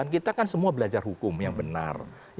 kita kan semua belajar hukum yang benar